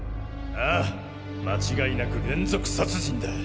ああ間違いなく連続殺人だ。